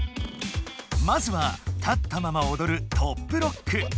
まずは立ったままおどる「トップロック」！